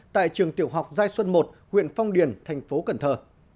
tại trường tiểu học giai xuân một huyện phong điền thành phố cần thơ